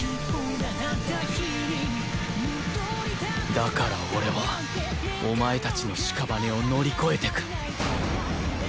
だから俺はお前たちの屍を乗り越えていく